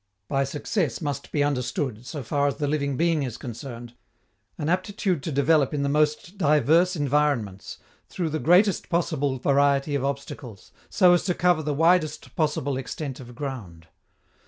By success must be understood, so far as the living being is concerned, an aptitude to develop in the most diverse environments, through the greatest possible variety of obstacles, so as to cover the widest possible extent of ground.